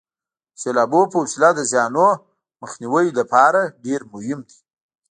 د سیلابونو په وسیله د زیانونو مخنیوي لپاره ډېر مهم دي.